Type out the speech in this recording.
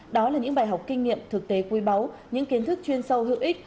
đó là những bài học kinh nghiệm thực tế quý báu những kiến thức chuyên sâu hữu ích